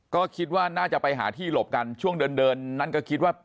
ก็คิดว่าน่าจะไปหาที่หลบกันช่วงเดินเดินนั้นก็คิดว่า